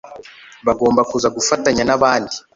bagomba kuza gufatanya n'abandi